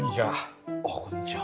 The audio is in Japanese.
こんにちは。